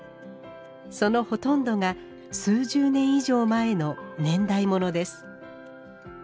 そのほとんどが数十年以上前の年代物です。